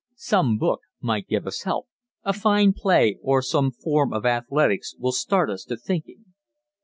Some book might give us help a fine play, or some form of athletics will start us to thinking.